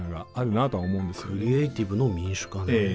クリエイティブの民主化ね。